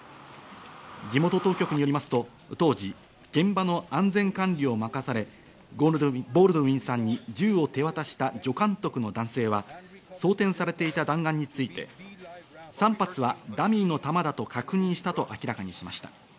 地元当局によりますと当時、現場の安全管理を任され、ボールドウィンさんに銃を手渡した助監督の男性は装填されていた弾丸について３発はダミーの弾だと確認したと明らかにしました。